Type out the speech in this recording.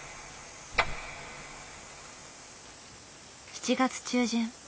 ７月中旬。